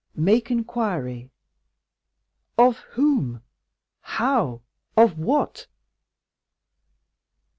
Make inquiry." "Of whom?—how?—of what?"